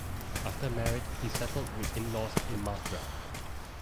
After marriage he settled with in-law's in Mathura.